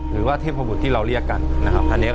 เยอะมากโอ้โฮ